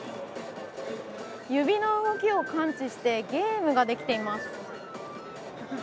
指の動きを感知して、ゲームができています。